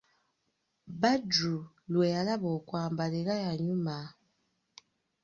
Badru lwe yalaba okwambala era yanyuma.